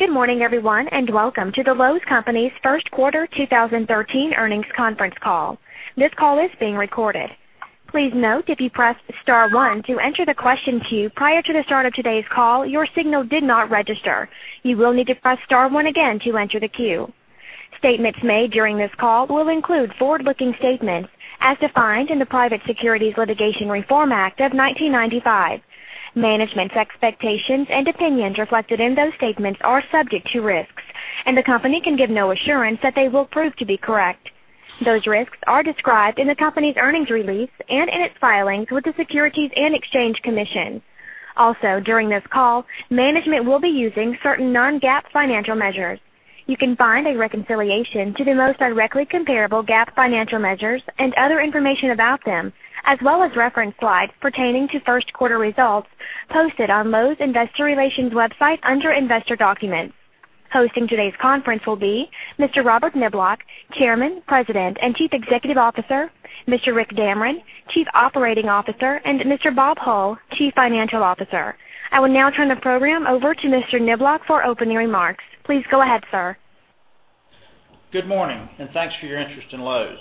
Good morning, everyone, and welcome to The Lowe's Companies' first quarter 2013 earnings conference call. This call is being recorded. Please note, if you pressed star one to enter the question queue prior to the start of today's call, your signal did not register. You will need to press star one again to enter the queue. Statements made during this call will include forward-looking statements as defined in the Private Securities Litigation Reform Act of 1995. Management's expectations and opinions reflected in those statements are subject to risks, and the company can give no assurance that they will prove to be correct. Those risks are described in the company's earnings release and in its filings with the Securities and Exchange Commission. Also, during this call, management will be using certain non-GAAP financial measures. You can find a reconciliation to the most directly comparable GAAP financial measures and other information about them, as well as reference slides pertaining to first quarter results posted on Lowe's Investor Relations website under Investor Documents. Hosting today's conference will be Mr. Robert Niblock, Chairman, President, and Chief Executive Officer, Mr. Rick Damron, Chief Operating Officer, and Mr. Bob Hull, Chief Financial Officer. I will now turn the program over to Mr. Niblock for opening remarks. Please go ahead, sir. Good morning, and thanks for your interest in Lowe's.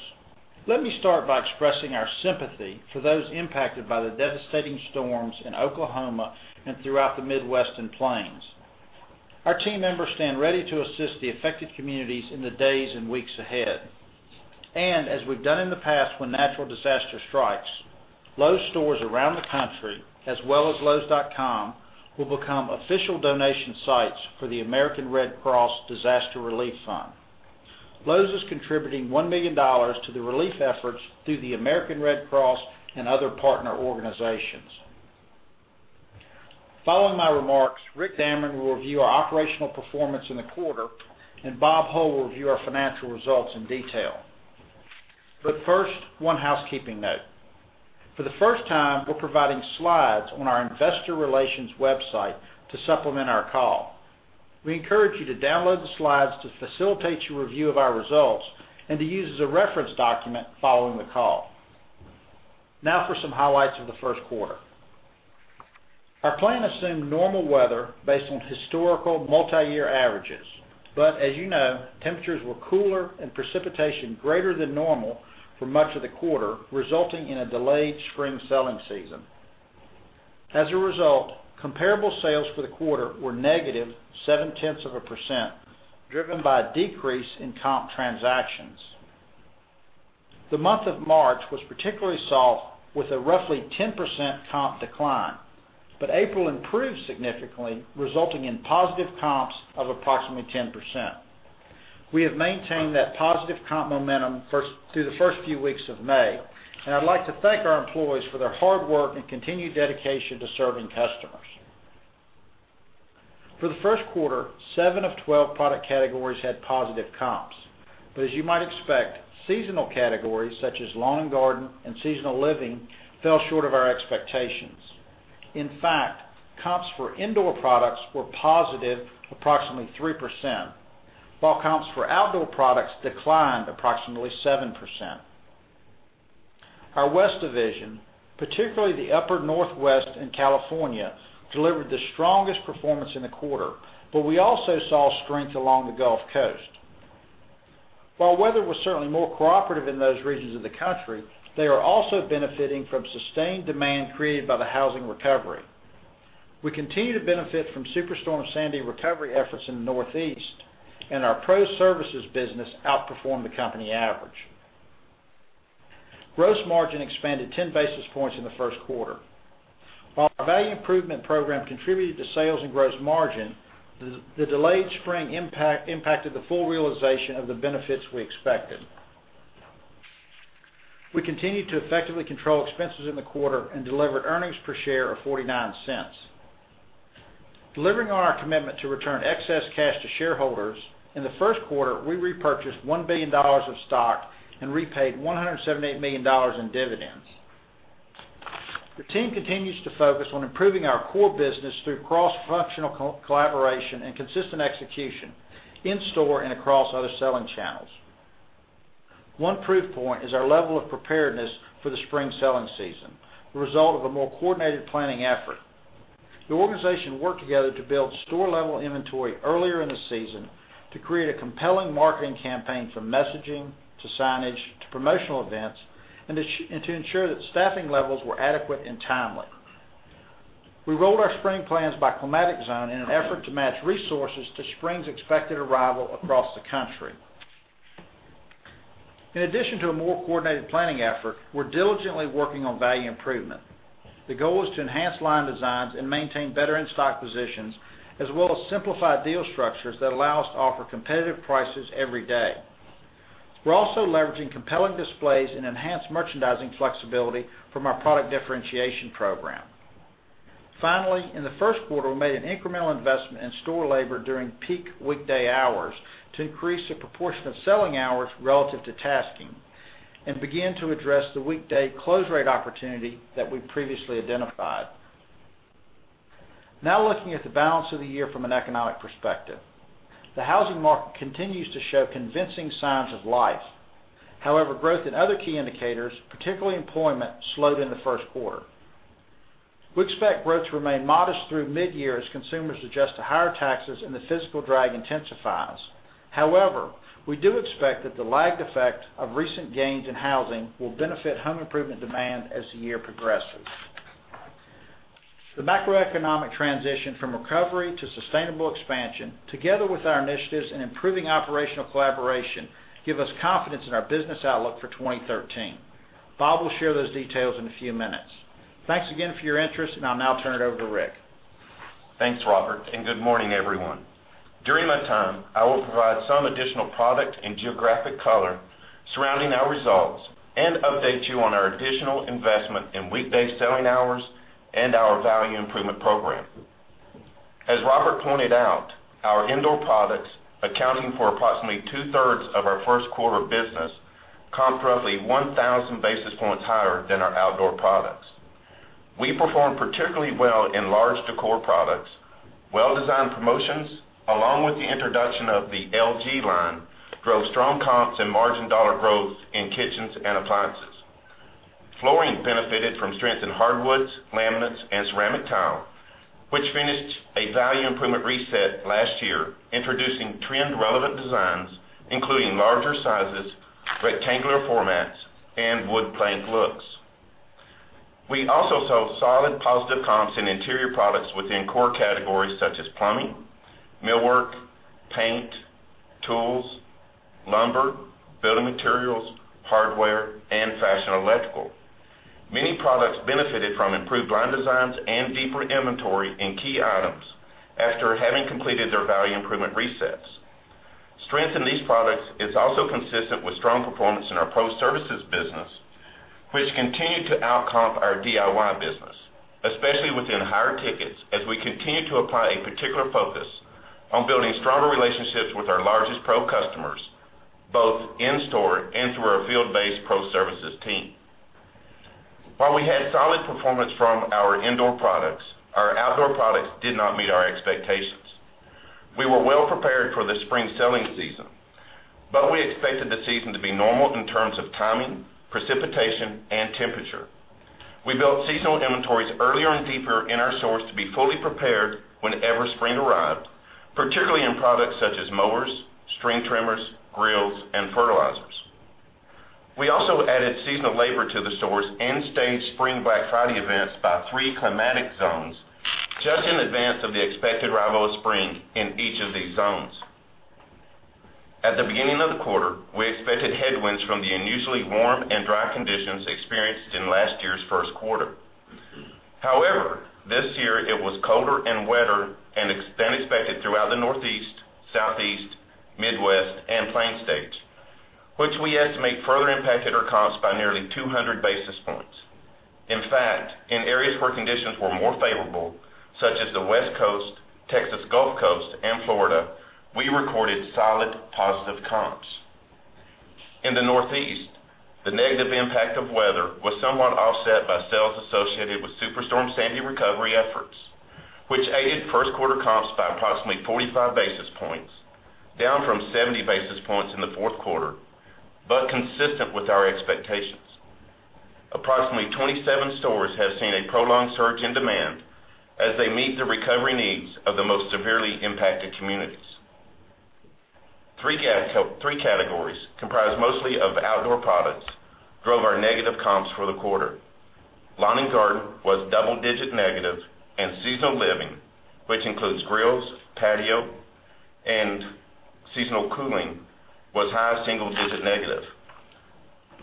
Let me start by expressing our sympathy for those impacted by the devastating storms in Oklahoma and throughout the Midwestern Plains. Our team members stand ready to assist the affected communities in the days and weeks ahead. As we've done in the past when natural disaster strikes, Lowe's stores around the country, as well as lowes.com, will become official donation sites for the American Red Cross Disaster Relief Fund. Lowe's is contributing $1 million to the relief efforts through the American Red Cross and other partner organizations. Following my remarks, Rick Damron will review our operational performance in the quarter, and Bob Hull will review our financial results in detail. First, one housekeeping note. For the first time, we're providing slides on our investor relations website to supplement our call. We encourage you to download the slides to facilitate your review of our results and to use as a reference document following the call. Now for some highlights of the first quarter. Our plan assumed normal weather based on historical multi-year averages. As you know, temperatures were cooler and precipitation greater than normal for much of the quarter, resulting in a delayed spring selling season. As a result, comparable sales for the quarter were negative 0.7%, driven by a decrease in comp transactions. The month of March was particularly soft, with a roughly 10% comp decline, April improved significantly, resulting in positive comps of approximately 10%. We have maintained that positive comp momentum through the first few weeks of May, I'd like to thank our employees for their hard work and continued dedication to serving customers. For the first quarter, seven of 12 product categories had positive comps. As you might expect, seasonal categories such as lawn and garden and seasonal living fell short of our expectations. In fact, comps for indoor products were positive approximately 3%, while comps for outdoor products declined approximately 7%. Our West division, particularly the upper Northwest and California, delivered the strongest performance in the quarter, but we also saw strength along the Gulf Coast. While weather was certainly more cooperative in those regions of the country, they are also benefiting from sustained demand created by the housing recovery. We continue to benefit from Superstorm Sandy recovery efforts in the Northeast, and our pro services business outperformed the company average. Gross margin expanded 10 basis points in the first quarter. While our Value Improvement Program contributed to sales and gross margin, the delayed spring impacted the full realization of the benefits we expected. We continued to effectively control expenses in the quarter and delivered earnings per share of $0.49. Delivering on our commitment to return excess cash to shareholders, in the first quarter, we repurchased $1 billion of stock and repaid $178 million in dividends. The team continues to focus on improving our core business through cross-functional collaboration and consistent execution in store and across other selling channels. One proof point is our level of preparedness for the spring selling season, the result of a more coordinated planning effort. The organization worked together to build store-level inventory earlier in the season to create a compelling marketing campaign from messaging to signage to promotional events and to ensure that staffing levels were adequate and timely. We rolled our spring plans by climatic zone in an effort to match resources to spring's expected arrival across the country. In addition to a more coordinated planning effort, we're diligently working on Value Improvement. The goal is to enhance line designs and maintain better in-stock positions, as well as simplify deal structures that allow us to offer competitive prices every day. We're also leveraging compelling displays and enhanced merchandising flexibility from our Product Differentiation Program. Finally, in the first quarter, we made an incremental investment in store labor during peak weekday hours to increase the proportion of selling hours relative to tasking and begin to address the weekday close rate opportunity that we previously identified. Looking at the balance of the year from an economic perspective. The housing market continues to show convincing signs of life. Growth in other key indicators, particularly employment, slowed in the first quarter. We expect growth to remain modest through mid-year as consumers adjust to higher taxes and the fiscal drag intensifies. We do expect that the lagged effect of recent gains in housing will benefit home improvement demand as the year progresses. The macroeconomic transition from recovery to sustainable expansion, together with our initiatives in improving operational collaboration, give us confidence in our business outlook for 2013. Bob will share those details in a few minutes. Thanks again for your interest, I'll now turn it over to Rick. Thanks, Robert, and good morning, everyone. During my time, I will provide some additional product and geographic color surrounding our results and update you on our additional investment in weekday selling hours and our Value Improvement Program. As Robert pointed out, our indoor products, accounting for approximately two-thirds of our first quarter business, comped roughly 1,000 basis points higher than our outdoor products. We performed particularly well in large decor products. Well-designed promotions, along with the introduction of the LG line, drove strong comps and margin dollar growth in kitchens and appliances. Flooring benefited from strength in hardwoods, laminates, and ceramic tile, which finished a Value Improvement Reset last year, introducing trend-relevant designs, including larger sizes, rectangular formats, and wood plank looks. We also saw solid positive comps in interior products within core categories such as plumbing, millwork, paint, tools, lumber, building materials, hardware, and fashion electrical. Many products benefited from improved line designs and deeper inventory in key items after having completed their Value Improvement Resets. Strength in these products is also consistent with strong performance in our pro services business, which continued to out-comp our DIY business, especially within higher tickets, as we continue to apply a particular focus on building stronger relationships with our largest pro customers, both in store and through our field-based pro services team. While we had solid performance from our indoor products, our outdoor products did not meet our expectations. We were well-prepared for the spring selling season, but we expected the season to be normal in terms of timing, precipitation, and temperature. We built seasonal inventories earlier and deeper in our stores to be fully prepared whenever spring arrived, particularly in products such as mowers, string trimmers, grills, and fertilizers. We also added seasonal labor to the stores and staged Spring Black Friday events by three climatic zones just in advance of the expected arrival of spring in each of these zones. At the beginning of the quarter, we expected headwinds from the unusually warm and dry conditions experienced in last year's first quarter. However, this year it was colder and wetter than expected throughout the Northeast, Southeast, Midwest, and Plains states, which we estimate further impacted our comps by nearly 200 basis points. In fact, in areas where conditions were more favorable, such as the West Coast, Texas Gulf Coast, and Florida, we recorded solid positive comps. In the Northeast, the negative impact of weather was somewhat offset by sales associated with Superstorm Sandy recovery efforts, which aided first quarter comps by approximately 45 basis points, down from 70 basis points in the fourth quarter, but consistent with our expectations. Approximately 27 stores have seen a prolonged surge in demand as they meet the recovery needs of the most severely impacted communities. Three categories comprised mostly of outdoor products drove our negative comps for the quarter. Lawn and garden was double-digit negative and seasonal living, which includes grills, patio, and seasonal cooling, was high single-digit negative.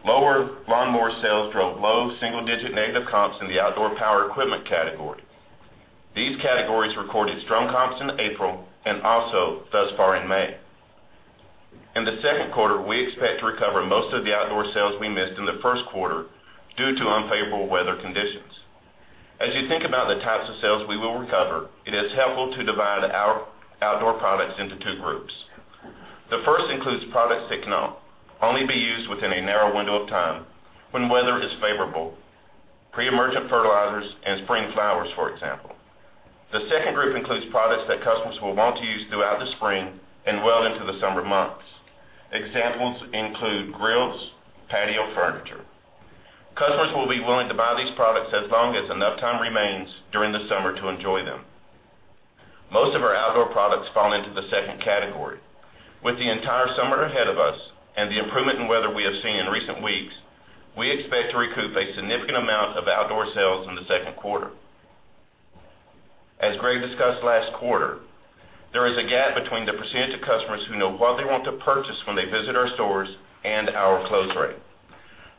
Lower lawnmower sales drove low single-digit negative comps in the outdoor power equipment category. These categories recorded strong comps in April and also thus far in May. In the second quarter, we expect to recover most of the outdoor sales we missed in the first quarter due to unfavorable weather conditions. As you think about the types of sales we will recover, it is helpful to divide our outdoor products into two groups. The first includes products that can only be used within a narrow window of time when weather is favorable. Pre-emergent fertilizers and spring flowers, for example. The second group includes products that customers will want to use throughout the spring and well into the summer months. Examples include grills, patio furniture. Customers will be willing to buy these products as long as enough time remains during the summer to enjoy them. Most of our outdoor products fall into the second category. With the entire summer ahead of us and the improvement in weather we have seen in recent weeks, we expect to recoup a significant amount of outdoor sales in the second quarter. As Greg discussed last quarter, there is a gap between the percentage of customers who know what they want to purchase when they visit our stores and our close rate.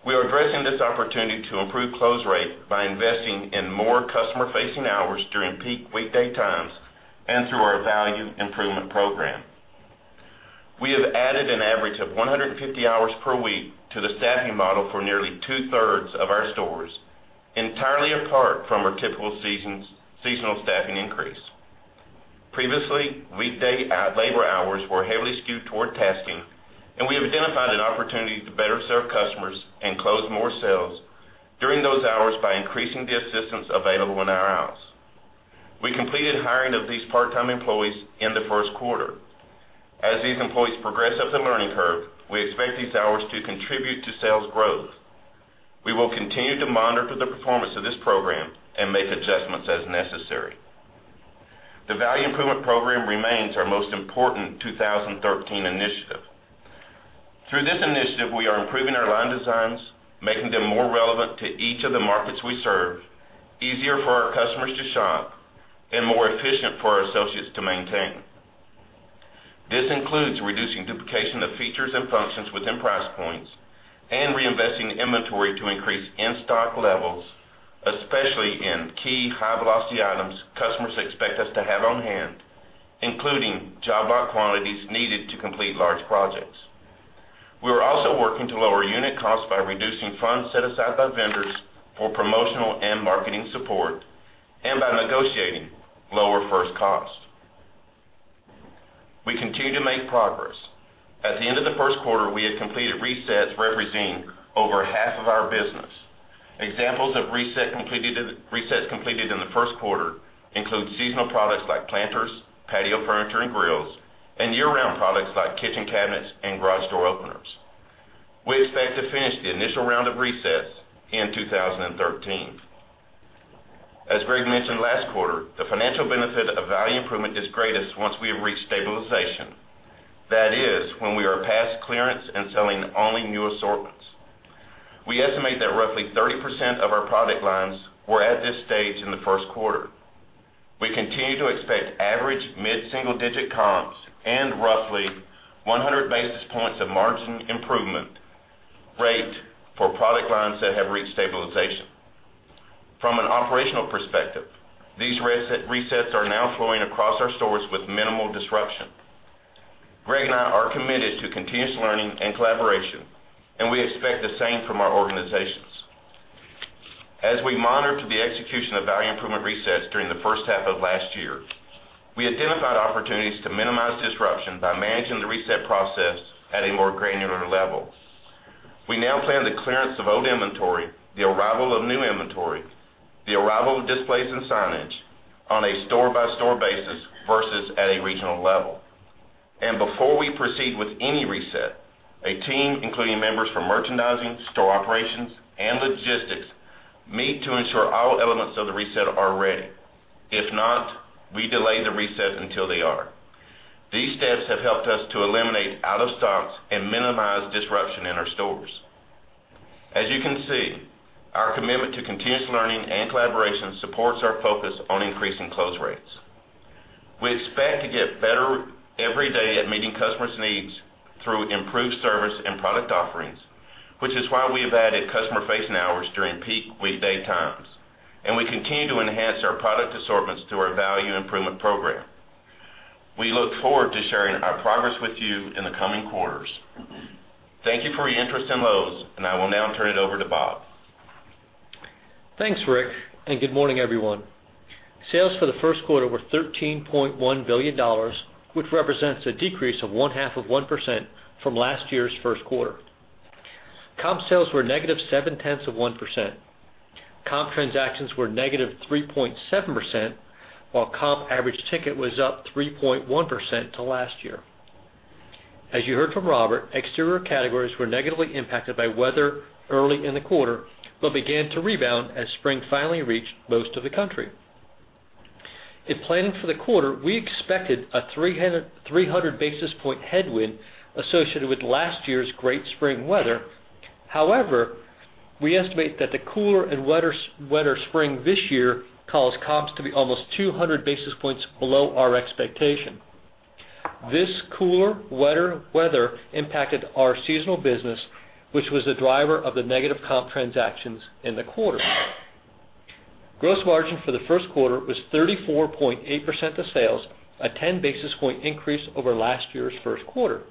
We are addressing this opportunity to improve close rate by investing in more customer-facing hours during peak weekday times and through our Value Improvement Program. We have added an average of 150 hours per week to the staffing model for nearly two-thirds of our stores, entirely apart from our typical seasonal staffing increase. Previously, weekday labor hours were heavily skewed toward tasking, and we have identified an opportunity to better serve customers and close more sales during those hours by increasing the assistance available in our aisles. We completed hiring of these part-time employees in the first quarter. As these employees progress up the learning curve, we expect these hours to contribute to sales growth. We will continue to monitor the performance of this program and make adjustments as necessary. The Value Improvement Program remains our most important 2013 initiative. Through this initiative, we are improving our line designs, making them more relevant to each of the markets we serve, easier for our customers to shop, and more efficient for our associates to maintain. This includes reducing duplication of features and functions within price points and reinvesting inventory to increase in-stock levels, especially in key high-velocity items customers expect us to have on hand, including job lot quantities needed to complete large projects. We are also working to lower unit costs by reducing funds set aside by vendors for promotional and marketing support and by negotiating lower first costs. We continue to make progress. At the end of the first quarter, we had completed resets representing over half of our business. Examples of resets completed in the first quarter include seasonal products like planters, patio furniture, and grills, and year-round products like kitchen cabinets and garage door openers. We expect to finish the initial round of resets in 2013. As Greg mentioned last quarter, the financial benefit of Value improvement is greatest once we have reached stabilization. That is when we are past clearance and selling only new assortments. We estimate that roughly 30% of our product lines were at this stage in the first quarter. We continue to expect average mid-single-digit comps and roughly 100 basis points of margin improvement rate for product lines that have reached stabilization. From an operational perspective, these resets are now flowing across our stores with minimal disruption. Greg and I are committed to continuous learning and collaboration, and we expect the same from our organizations. As we monitor the execution of Value Improvement resets during the first half of last year, we identified opportunities to minimize disruption by managing the reset process at a more granular level. We now plan the clearance of old inventory, the arrival of new inventory, the arrival of displays and signage on a store-by-store basis versus at a regional level. Before we proceed with any reset, a team, including members from merchandising, store operations, and logistics, meet to ensure all elements of the reset are ready. If not, we delay the reset until they are. These steps have helped us to eliminate out of stocks and minimize disruption in our stores. As you can see, our commitment to continuous learning and collaboration supports our focus on increasing close rates. We expect to get better every day at meeting customers' needs through improved service and product offerings, which is why we've added customer-facing hours during peak weekday times, and we continue to enhance our product assortments through our Value Improvement Program. We look forward to sharing our progress with you in the coming quarters. Thank you for your interest in Lowe's, and I will now turn it over to Bob. Thanks, Rick, and good morning, everyone. Sales for the first quarter were $13.1 billion, which represents a decrease of one-half of 1% from last year's first quarter. Comp sales were negative seven-tenths of 1%. Comp transactions were -3.7%, while comp average ticket was up 3.1% to last year. As you heard from Robert, exterior categories were negatively impacted by weather early in the quarter but began to rebound as spring finally reached most of the country. In planning for the quarter, we expected a 300-basis point headwind associated with last year's great spring weather. However, we estimate that the cooler and wetter spring this year caused comps to be almost 200 basis points below our expectation. This cooler, wetter weather impacted our seasonal business, which was the driver of the negative comp transactions in the quarter. Gross margin for the first quarter was 34.8% of sales, a 10-basis point increase over last year's first quarter.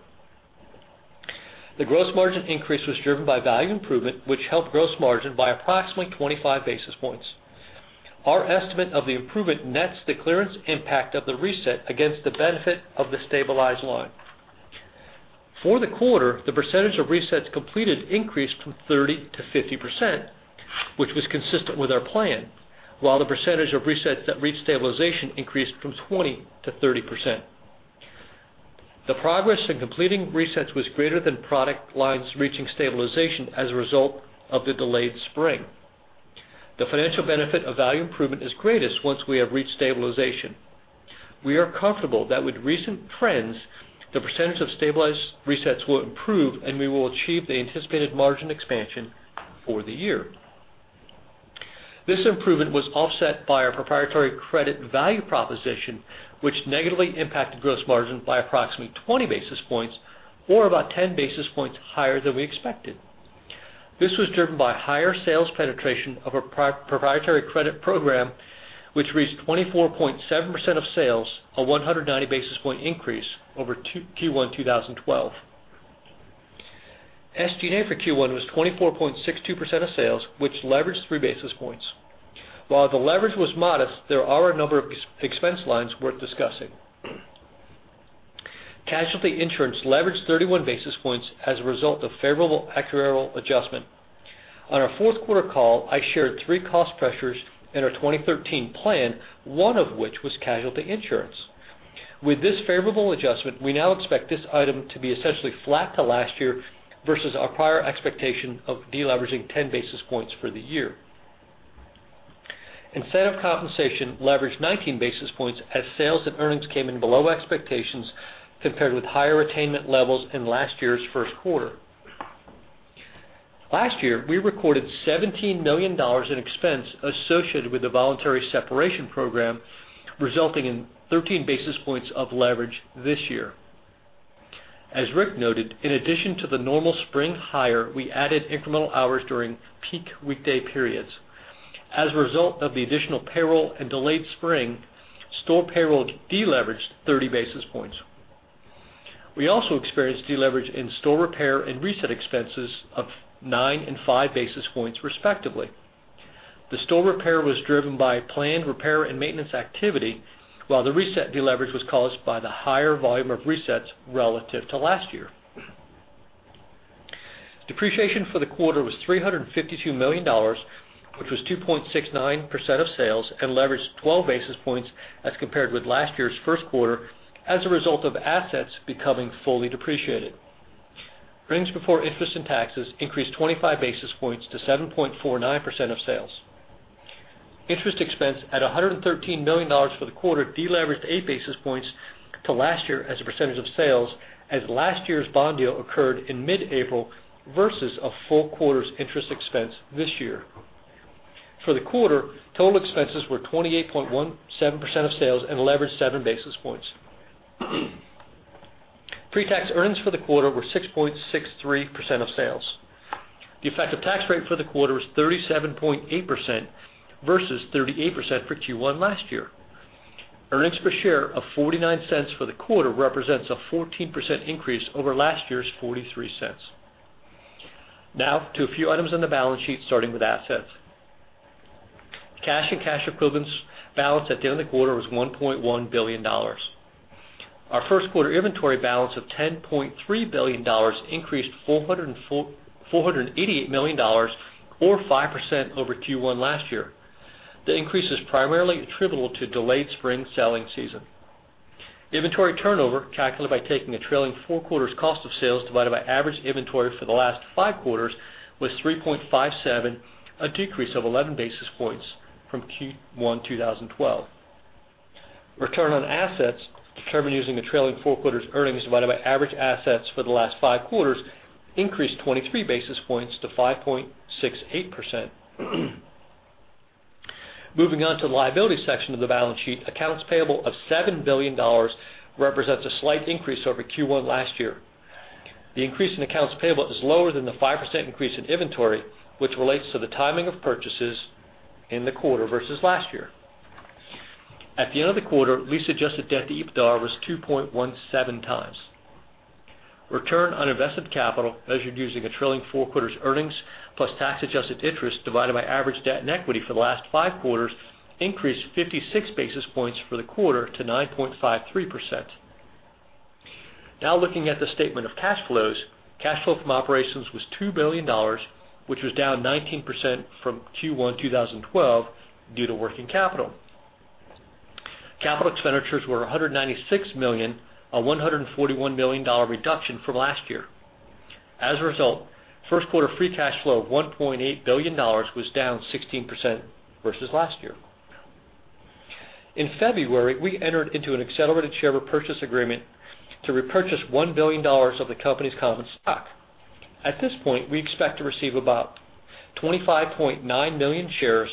The gross margin increase was driven by Value Improvement, which helped gross margin by approximately 25 basis points. Our estimate of the improvement nets the clearance impact of the reset against the benefit of the stabilized line. For the quarter, the percentage of resets completed increased from 30% to 50%, which was consistent with our plan. While the percentage of resets that reached stabilization increased from 20% to 30%. The progress in completing resets was greater than product lines reaching stabilization as a result of the delayed spring. The financial benefit of Value Improvement is greatest once we have reached stabilization. We are comfortable that with recent trends, the percentage of stabilized resets will improve, and we will achieve the anticipated margin expansion for the year. This improvement was offset by our proprietary credit value proposition, which negatively impacted gross margin by approximately 20 basis points or about 10 basis points higher than we expected. This was driven by higher sales penetration of our proprietary credit program, which reached 24.7% of sales, a 190-basis point increase over Q1 2012. SG&A for Q1 was 24.62% of sales, which leveraged three basis points. While the leverage was modest, there are a number of expense lines worth discussing. Casualty insurance leveraged 31 basis points as a result of favorable actuarial adjustment. On our fourth quarter call, I shared three cost pressures in our 2013 plan, one of which was casualty insurance. With this favorable adjustment, we now expect this item to be essentially flat to last year versus our prior expectation of deleveraging 10 basis points for the year. Incentive compensation leveraged 19 basis points as sales and earnings came in below expectations compared with higher attainment levels in last year's first quarter. Last year, we recorded $17 million in expense associated with the voluntary separation program, resulting in 13 basis points of leverage this year. As Rick noted, in addition to the normal spring hire, we added incremental hours during peak weekday periods. As a result of the additional payroll and delayed spring, store payroll deleveraged 30 basis points. We also experienced deleverage in store repair and reset expenses of nine and five basis points, respectively. The store repair was driven by planned repair and maintenance activity, while the reset deleverage was caused by the higher volume of resets relative to last year. Depreciation for the quarter was $352 million, which was 2.69% of sales, and leveraged 12 basis points as compared with last year's first quarter as a result of assets becoming fully depreciated. Earnings before interest and taxes increased 25 basis points to 7.49% of sales. Interest expense at $113 million for the quarter deleveraged eight basis points to last year as a percentage of sales, as last year's bond deal occurred in mid-April versus a full quarter's interest expense this year. For the quarter, total expenses were 28.17% of sales and leveraged seven basis points. Pre-tax earnings for the quarter were 6.63% of sales. The effective tax rate for the quarter was 37.8% versus 38% for Q1 last year. Earnings per share of $0.49 for the quarter represents a 14% increase over last year's $0.43. Now to a few items on the balance sheet, starting with assets. Cash and cash equivalents balance at the end of the quarter was $1.1 billion. Our first quarter inventory balance of $10.3 billion increased $488 million or 5% over Q1 last year. The increase is primarily attributable to delayed spring selling season. Inventory turnover, calculated by taking a trailing four quarters cost of sales divided by average inventory for the last five quarters, was 3.57, a decrease of 11 basis points from Q1 2012. Return on assets, determined using the trailing four quarters earnings divided by average assets for the last five quarters, increased 23 basis points to 5.68%. Moving on to the liability section of the balance sheet, accounts payable of $7 billion represents a slight increase over Q1 last year. The increase in accounts payable is lower than the 5% increase in inventory, which relates to the timing of purchases in the quarter versus last year. At the end of the quarter, lease-adjusted debt-to-EBITDA was 2.17 times. Return on invested capital, measured using a trailing four quarters earnings plus tax-adjusted interest divided by average debt and equity for the last five quarters, increased 56 basis points for the quarter to 9.53%. Looking at the statement of cash flows. Cash flow from operations was $2 billion, which was down 19% from Q1 2012 due to working capital. Capital expenditures were $196 million, a $141 million reduction from last year. As a result, first quarter free cash flow of $1.8 billion was down 16% versus last year. In February, we entered into an accelerated share repurchase agreement to repurchase $1 billion of the company's common stock. At this point, we expect to receive about 25.9 million shares,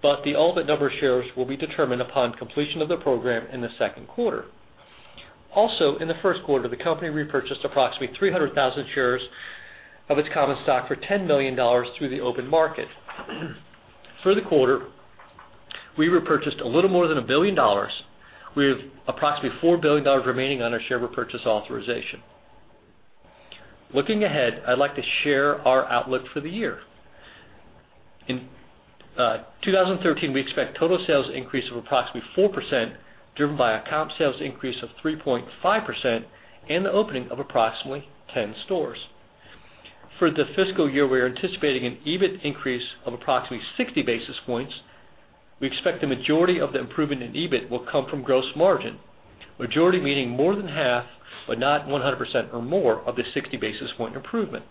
but the ultimate number of shares will be determined upon completion of the program in the second quarter. In the first quarter, the company repurchased approximately 300,000 shares of its common stock for $10 million through the open market. For the quarter, we repurchased a little more than $1 billion. We have approximately $4 billion remaining on our share repurchase authorization. Looking ahead, I'd like to share our outlook for the year. In 2013, we expect total sales increase of approximately 4%, driven by a comp sales increase of 3.5% and the opening of approximately 10 stores. For the fiscal year, we are anticipating an EBIT increase of approximately 60 basis points. We expect the majority of the improvement in EBIT will come from gross margin. Majority meaning more than half, but not 100% or more of the 60 basis point improvement.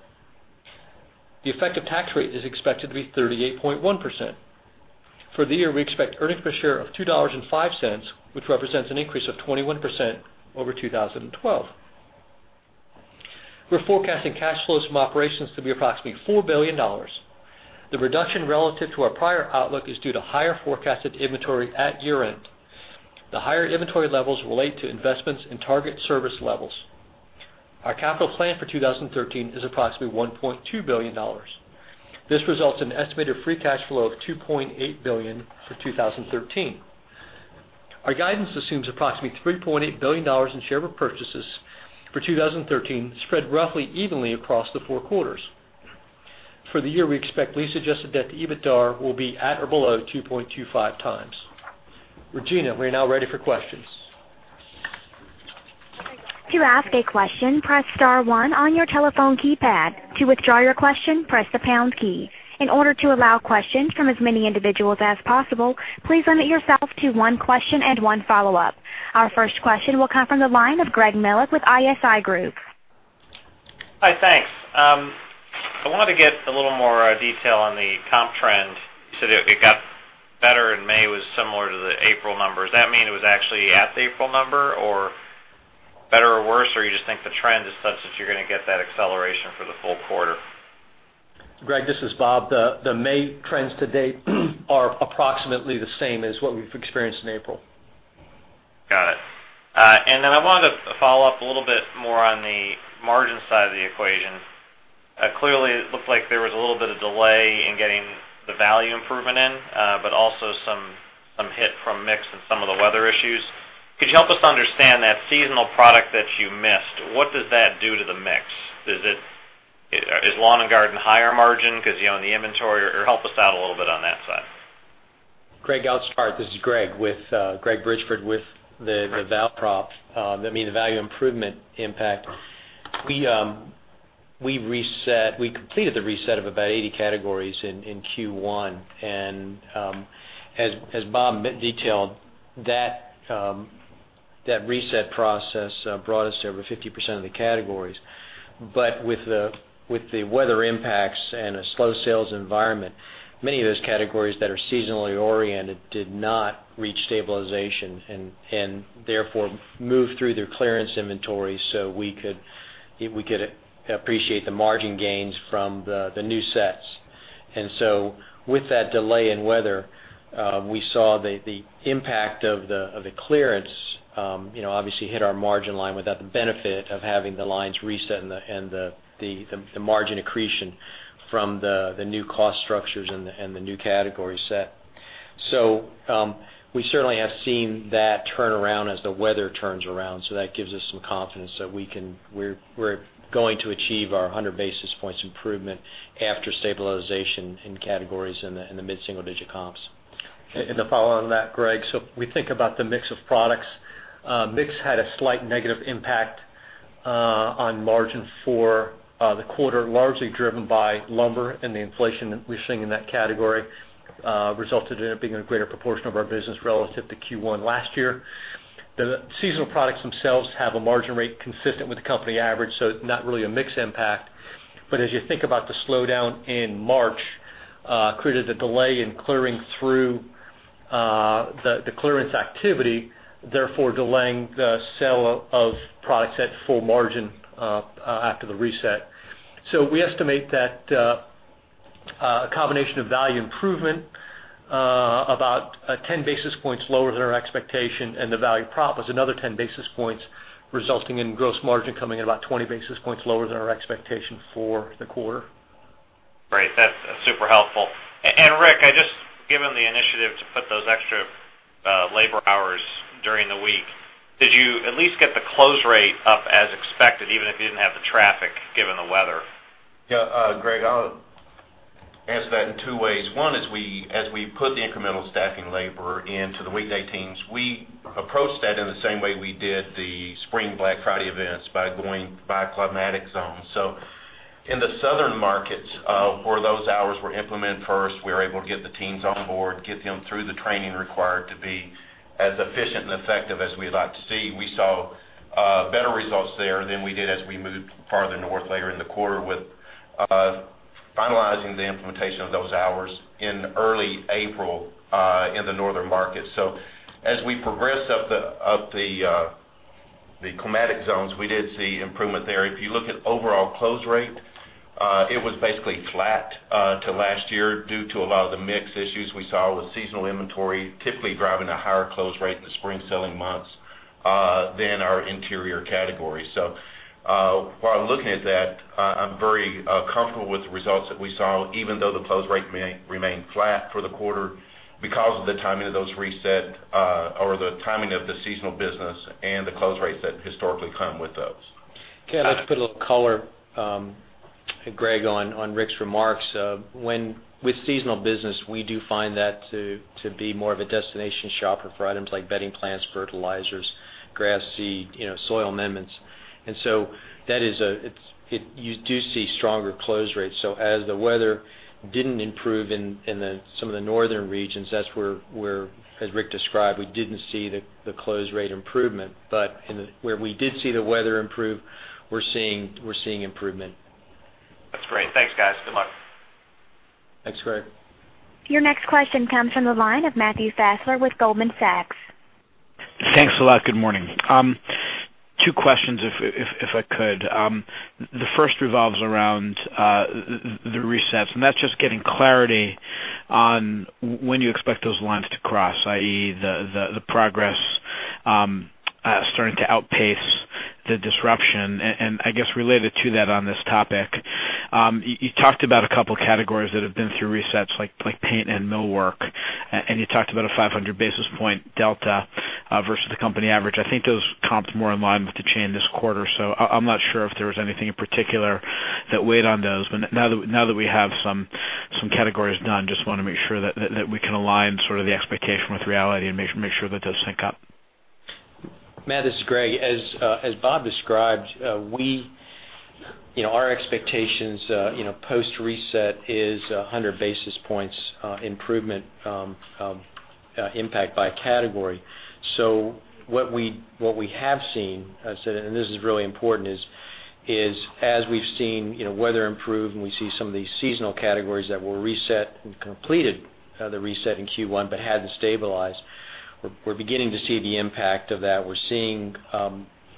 The effective tax rate is expected to be 38.1%. For the year, we expect earnings per share of $2.05, which represents an increase of 21% over 2012. We're forecasting cash flows from operations to be approximately $4 billion. The reduction relative to our prior outlook is due to higher forecasted inventory at year-end. The higher inventory levels relate to investments in target service levels. Our capital plan for 2013 is approximately $1.2 billion. This results in an estimated free cash flow of $2.8 billion for 2013. Our guidance assumes approximately $3.8 billion in share repurchases for 2013, spread roughly evenly across the four quarters. For the year, we expect lease-adjusted EBITDA will be at or below 2.25 times. Regina, we are now ready for questions. To ask a question, press star one on your telephone keypad. To withdraw your question, press the pound key. In order to allow questions from as many individuals as possible, please limit yourself to one question and one follow-up. Our first question will come from the line of Gregory Melich with ISI Group. Hi, thanks. I wanted to get a little more detail on the comp trend. You said it got better in May, was similar to the April numbers. Does that mean it was actually at the April number, or better or worse, or you just think the trend is such that you're going to get that acceleration for the full quarter? Greg, this is Bob. The May trends to date are approximately the same as what we've experienced in April. Got it. I wanted to follow up a little bit more on the margin side of the equation. Clearly, it looked like there was a little bit of delay in getting the value improvement in, but also some hit from mix and some of the weather issues. Could you help us understand that seasonal product that you missed, what does that do to the mix? Is lawn and garden higher margin because you own the inventory? Help us out a little bit on that side. Greg, I'll start. This is Greg Bridgeford with the value improvement impact. We completed the reset of about 80 categories in Q1. As Bob detailed, that reset process brought us to over 50% of the categories. With the weather impacts and a slow sales environment, many of those categories that are seasonally oriented did not reach stabilization and therefore moved through their clearance inventory so we could appreciate the margin gains from the new sets. With that delay in weather, we saw the impact of the clearance obviously hit our margin line without the benefit of having the lines reset and the margin accretion from the new cost structures and the new category set. We certainly have seen that turn around as the weather turns around. That gives us some confidence that we're going to achieve our 100 basis points improvement after stabilization in categories in the mid-single-digit comps. To follow on that, Greg. We think about the mix of products. Mix had a slight negative impact on margin for the quarter, largely driven by lumber and the inflation that we're seeing in that category resulted in it being a greater proportion of our business relative to Q1 last year. The seasonal products themselves have a margin rate consistent with the company average, so not really a mix impact. As you think about the slowdown in March created a delay in clearing through the clearance activity, therefore delaying the sale of products at full margin after the reset. We estimate that a combination of value improvement about 10 basis points lower than our expectation and the value prop was another 10 basis points, resulting in gross margin coming in about 20 basis points lower than our expectation for the quarter. Great. That's super helpful. Rick, given the initiative to put those extra labor hours during the week, did you at least get the close rate up as expected, even if you didn't have the traffic, given the weather? Yeah, Greg, I'll answer that in two ways. One is as we put the incremental staffing labor into the weekday teams, we approached that in the same way we did the Spring Black Friday events by going by climatic zone. In the southern markets, where those hours were implemented first, we were able to get the teams on board, get them through the training required to be as efficient and effective as we'd like to see. We saw better results there than we did as we moved farther north later in the quarter with finalizing the implementation of those hours in early April in the northern market. As we progress up the climatic zones, we did see improvement there. If you look at overall close rate, it was basically flat to last year due to a lot of the mix issues we saw with seasonal inventory typically driving a higher close rate in the spring selling months than our interior categories. While looking at that, I'm very comfortable with the results that we saw, even though the close rate may remain flat for the quarter because of the timing of the seasonal business and the close rates that historically come with those. Okay. I'd like to put a little color, Greg, on Rick's remarks. With seasonal business, we do find that to be more of a destination shopper for items like bedding plants, fertilizers, grass seed, soil amendments. You do see stronger close rates. As the weather didn't improve in some of the northern regions, that's where, as Rick described, we didn't see the close rate improvement. Where we did see the weather improve, we're seeing improvement. That's great. Thanks, guys. Good luck. Thanks, Greg. Your next question comes from the line of Matthew Fassler with Goldman Sachs. Thanks a lot. Good morning. Two questions, if I could. The first revolves around the resets. That's just getting clarity on when you expect those lines to cross, i.e., the progress starting to outpace the disruption. I guess related to that on this topic, you talked about a couple of categories that have been through resets, like paint and millwork, and you talked about a 500 basis point delta versus the company average. I think those comped more in line with the chain this quarter. I'm not sure if there was anything in particular that weighed on those. Now that we have some categories done, just want to make sure that we can align sort of the expectation with reality and make sure that those sync up. Matt, this is Greg. As Bob described, our expectations, post-reset is 100 basis points improvement, impact by category. What we have seen, and this is really important is as we've seen weather improve, and we see some of these seasonal categories that were reset and completed the reset in Q1 but hadn't stabilized, we're beginning to see the impact of that. We're seeing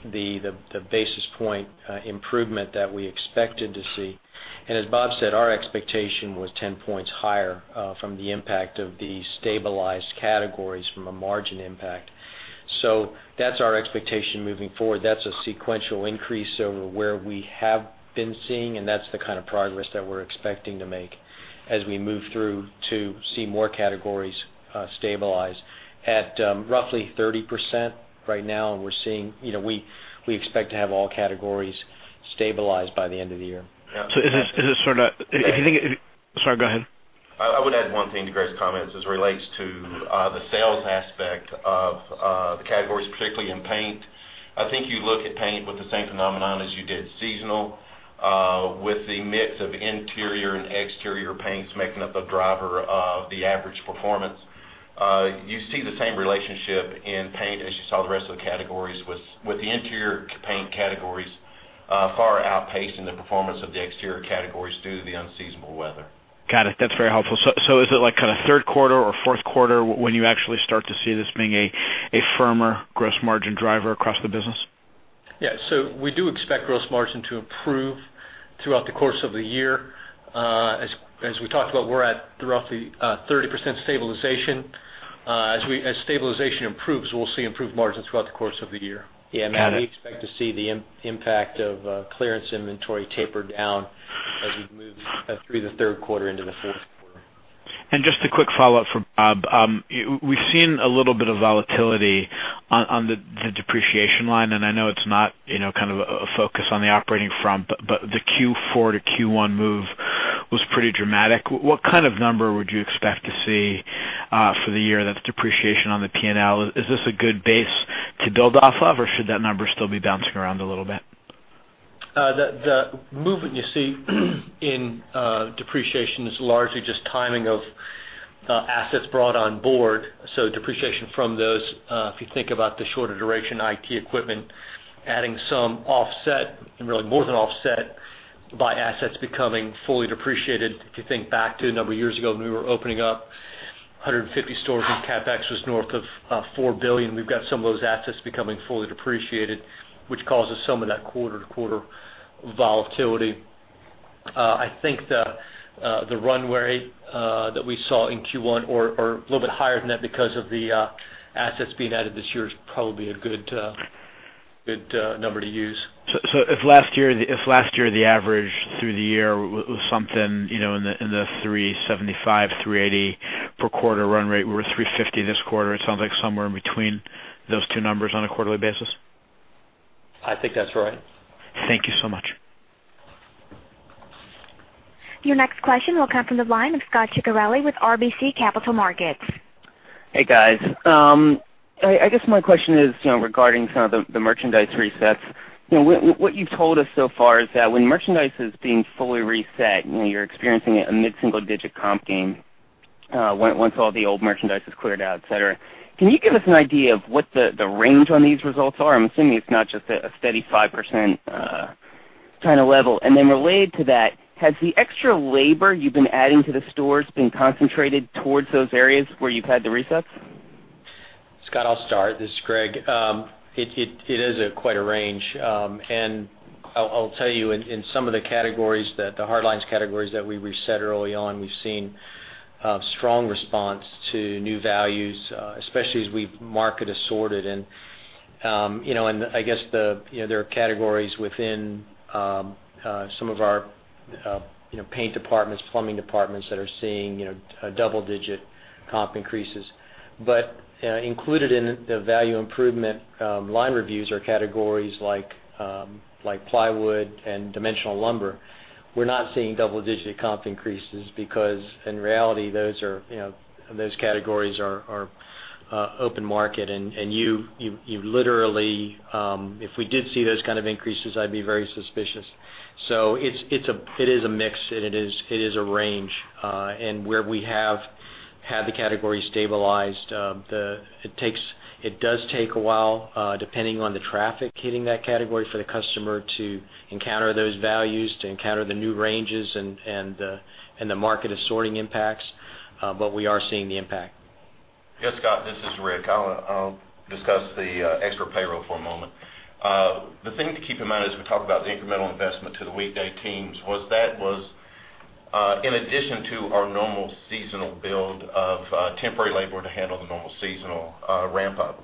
the basis point improvement that we expected to see. As Bob said, our expectation was 10 points higher from the impact of the stabilized categories from a margin impact. That's our expectation moving forward. That's a sequential increase over where we have been seeing, and that's the kind of progress that we're expecting to make as we move through to see more categories stabilize. At roughly 30% right now, we expect to have all categories stabilized by the end of the year. Is this sort of. Sorry, go ahead. I would add one thing to Greg's comments as it relates to the sales aspect of the categories, particularly in paint. I think you look at paint with the same phenomenon as you did seasonal, with the mix of interior and exterior paints making up a driver of the average performance. You see the same relationship in paint as you saw the rest of the categories with the interior paint categories far outpacing the performance of the exterior categories due to the unseasonable weather. Got it. That's very helpful. Is it third quarter or fourth quarter when you actually start to see this being a firmer gross margin driver across the business? Yeah. We do expect gross margin to improve throughout the course of the year. As we talked about, we're at roughly 30% stabilization. As stabilization improves, we'll see improved margins throughout the course of the year. Got it. Yeah, Matt, we expect to see the impact of clearance inventory taper down as we move through the third quarter into the fourth quarter. Just a quick follow-up for Bob. We've seen a little bit of volatility on the depreciation line, and I know it's not a focus on the operating front, but the Q4 to Q1 move was pretty dramatic. What kind of number would you expect to see for the year? That's depreciation on the P&L. Is this a good base to build off of or should that number still be bouncing around a little bit? The movement you see in depreciation is largely just timing of assets brought on board. Depreciation from those, if you think about the shorter duration IT equipment, adding some offset, and really more than offset by assets becoming fully depreciated. If you think back to a number of years ago when we were opening up 150 stores and CapEx was north of $4 billion, we've got some of those assets becoming fully depreciated, which causes some of that quarter-to-quarter volatility. I think the run rate that we saw in Q1 or a little bit higher than that because of the assets being added this year is probably a good number to use. If last year, the average through the year was something, in the 375, 380 per quarter run rate. We're at 350 this quarter. It sounds like somewhere in between those two numbers on a quarterly basis. I think that's right. Thank you so much. Your next question will come from the line of Scot Ciccarelli with RBC Capital Markets. Hey, guys. I guess my question is regarding some of the merchandise resets. What you've told us so far is that when merchandise is being fully reset, you're experiencing a mid-single-digit comp gain once all the old merchandise is cleared out, et cetera. Can you give us an idea of what the range on these results are? I'm assuming it's not just a steady 5% kind of level. Then related to that, has the extra labor you've been adding to the stores been concentrated towards those areas where you've had the resets? Scot, I'll start. This is Greg. It is quite a range. I'll tell you, in some of the categories, the hard lines categories that we reset early on, we've seen strong response to new values, especially as we've market assorted. I guess there are categories within some of our paint departments, plumbing departments that are seeing double-digit comp increases. Included in the value improvement line reviews are categories like plywood and dimensional lumber. We're not seeing double-digit comp increases because in reality, those categories are open market, and if we did see those kind of increases, I'd be very suspicious. It is a mix, and it is a range. Where we have had the category stabilized, it does take a while, depending on the traffic hitting that category for the customer to encounter those values, to encounter the new ranges and the market assorting impacts. We are seeing the impact. Scot, this is Rick. I'll discuss the extra payroll for a moment. The thing to keep in mind as we talk about the incremental investment to the weekday teams was that was in addition to our normal seasonal build of temporary labor to handle the normal seasonal ramp-up.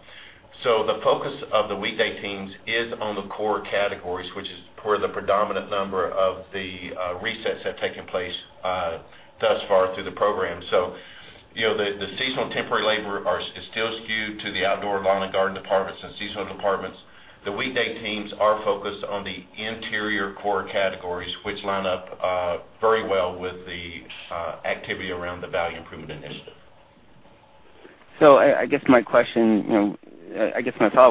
The focus of the weekday teams is on the core categories, which is where the predominant number of the resets have taken place thus far through the program. The seasonal temporary labor is still skewed to the outdoor lawn and garden departments and seasonal departments. The weekday teams are focused on the interior core categories, which line up very well with the activity around the Value Improvement Initiative. I guess my follow-up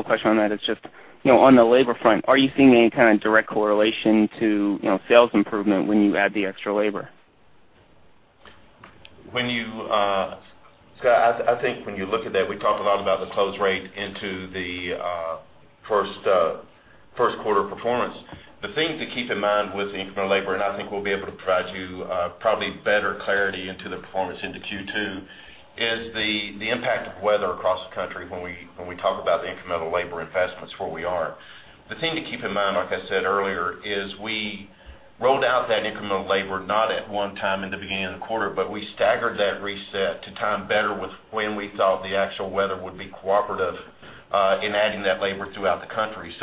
question on that is just, on the labor front, are you seeing any kind of direct correlation to sales improvement when you add the extra labor? Scot, I think when you look at that, we talk a lot about the close rate into the first quarter performance. The thing to keep in mind with the incremental labor, and I think we'll be able to provide you probably better clarity into the performance into Q2, is the impact of weather across the country when we talk about the incremental labor investments where we are. The thing to keep in mind, like I said earlier, is we rolled out that incremental labor not at one time in the beginning of the quarter, but we staggered that reset to time better with when we thought the actual weather would be cooperative in adding that labor throughout the country.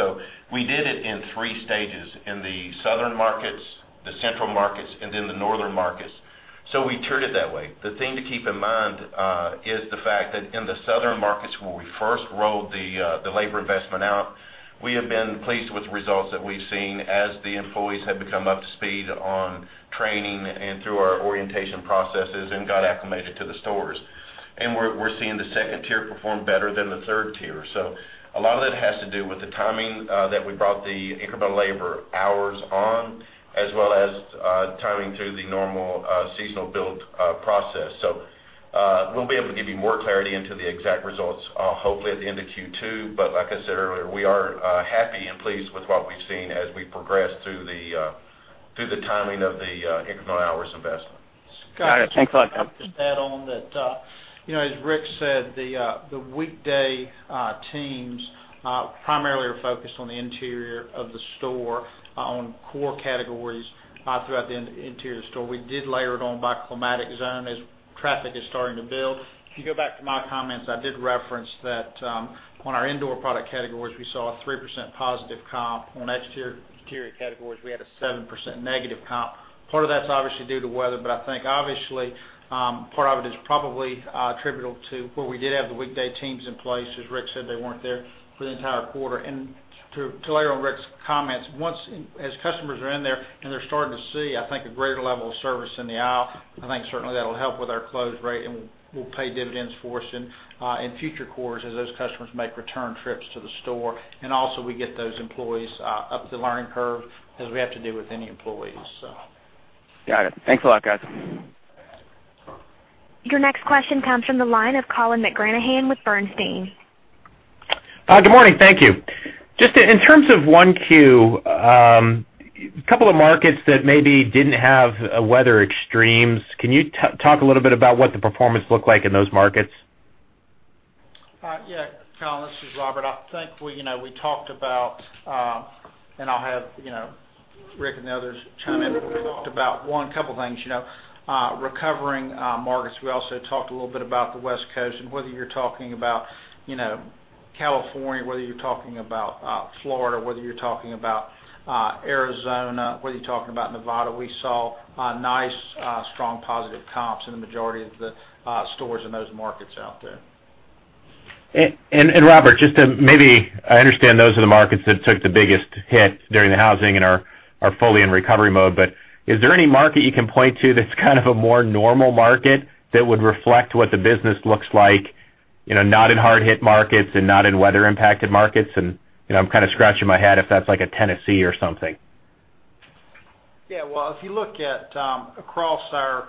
We did it in 3 stages, in the southern markets, the central markets, and then the northern markets. We tiered it that way. The thing to keep in mind is the fact that in the southern markets where we first rolled the labor investment out, we have been pleased with the results that we've seen as the employees have become up to speed on training and through our orientation processes and got acclimated to the stores. We're seeing the tier 2 perform better than the tier 3. A lot of that has to do with the timing that we brought the incremental labor hours on, as well as timing to the normal seasonal build process. We'll be able to give you more clarity into the exact results, hopefully at the end of Q2. Like I said earlier, we are happy and pleased with what we've seen as we progress through the timing of the incremental hours investment. Got it. Thanks a lot. Scot, if I could just add on that. As Rick said, the weekday teams primarily are focused on the interior of the store, on core categories throughout the interior store. We did layer it on by climatic zone as traffic is starting to build. If you go back to my comments, I did reference that on our indoor product categories, we saw a 3% positive comp. On exterior categories, we had a 7% negative comp. Part of that's obviously due to weather, but I think obviously, part of it is probably attributable to where we did have the weekday teams in place. As Rick said, they weren't there for the entire quarter. To layer on Rick's comments, as customers are in there and they're starting to see a greater level of service in the aisle, I think certainly that'll help with our close rate, and will pay dividends for us in future quarters as those customers make return trips to the store. Also we get those employees up the learning curve as we have to do with any employees, so. Got it. Thanks a lot, guys. Your next question comes from the line of Colin McGranahan with Bernstein. Good morning. Thank you. In terms of 1Q, couple of markets that maybe didn't have weather extremes, can you talk a little bit about what the performance looked like in those markets? Yeah. Colin, this is Robert. I think we talked about, I'll have Rick and the others chime in, we talked about one couple of things. Recovering markets. We also talked a little bit about the West Coast and whether you're talking about California, whether you're talking about Florida, whether you're talking about Arizona, whether you're talking about Nevada. We saw nice, strong positive comps in the majority of the stores in those markets out there. Robert, I understand those are the markets that took the biggest hit during the housing and are fully in recovery mode. Is there any market you can point to that's kind of a more normal market that would reflect what the business looks like, not in hard hit markets and not in weather impacted markets? I'm kind of scratching my head if that's like a Tennessee or something. Yeah. Well, if you look at across our